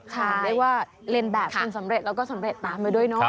ค่ะเรียกว่าเล่นแบบคุณสำเร็จแล้วก็สำเร็จตามด้วยน้อง